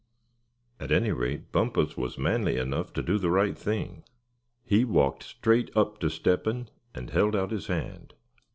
At any rate Bumpus was manly enough to do the right thing. He walked straight up to Step hen, and held out his hand.